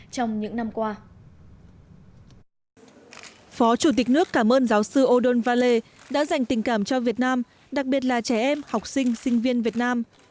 trong những năm qua phó chủ tịch nước cảm ơn giáo sư odon valet đã dành tình cảm cho việt nam đặc biệt là trẻ em học sinh sinh viên việt nam